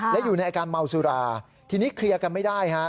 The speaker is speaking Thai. และอยู่ในอาการเมาสุราทีนี้เคลียร์กันไม่ได้ฮะ